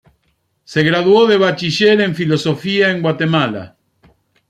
Se graduó de Bachiller en Filosofía en Guatemala.